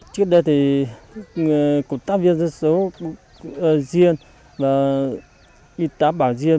trước đây thì công tác viên dân số riêng và y tá bản riêng